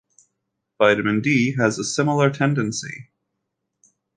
Vitamin D has a similar tendency.